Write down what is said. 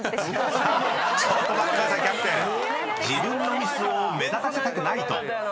自分のミスを目立たせたくないと］